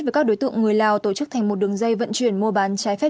với các đối tượng người lào tổ chức thành một đường dây vận chuyển mua bán trái phép